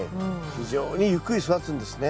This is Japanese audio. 非常にゆっくり育つんですね。